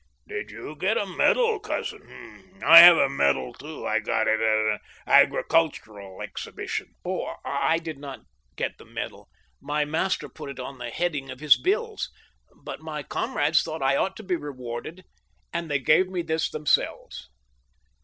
" Did you get a medal, cousin ? I have had a medal, too ; I got it at an agricultural exhibition." " Oh, I did not get the medal. My master put it on the head ing of his bills. But my comrades thought I ought to be rewarded, and they gave me this themselves."